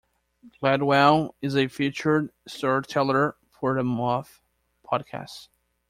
Gladwell is a featured storyteller for the Moth Podcast.